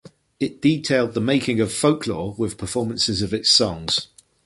It detailed the making of "Folklore" with performances of its songs.